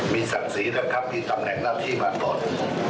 มีศักดิ์ศรีนะครับมีตำแหน่งหน้าที่มาก่อน